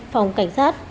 phòng cảnh sát